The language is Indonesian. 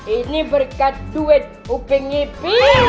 ini berkat duit upeng iping